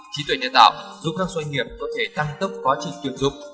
trí tuệ nhân tạo giúp các doanh nghiệp có thể tăng tốc quá trình tuyển dụng